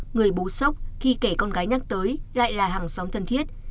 người bố sốc khi kể con gái nhắc tới lại là hàng xóm thân thiết